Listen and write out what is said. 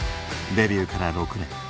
デビューから６年。